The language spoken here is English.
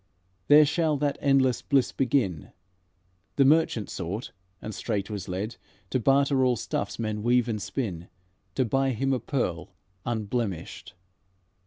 There shall that endless bliss begin, The merchant sought, and straight was led To barter all stuffs men weave and spin, To buy him a pearl unblemished."